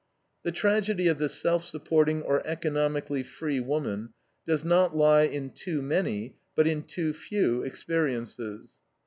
The tragedy of the self supporting or economically free woman does not lie in too many but in too few experiences.